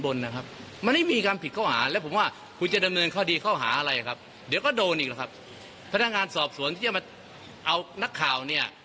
บอกผมมานะถ้าใครโดนคดีเนี่ย